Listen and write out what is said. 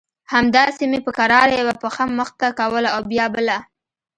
همداسې مې په کراره يوه پښه مخته کوله او بيا بله.